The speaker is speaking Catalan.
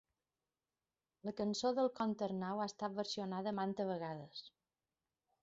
La cançó del comte Arnau ha estat versionada manta vegades.